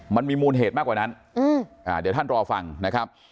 มันมีมูลเหตุมากกว่านั้นเดี๋ยวท่านรอฟังนะครับ